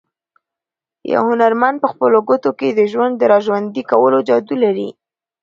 یو هنرمند په خپلو ګوتو کې د ژوند د راژوندي کولو جادو لري.